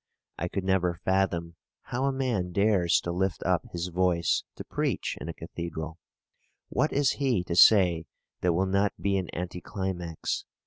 I could never fathom how a man dares to lift up his voice to preach in a cathedral. What is he to say that will not be an anti climax?